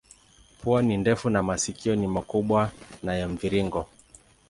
Pua ni ndefu na masikio ni makubwa na ya mviringo.